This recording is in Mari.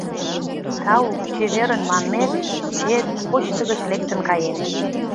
«Тау, чеверын!» манмет, мочет — почта гыч лектын каен.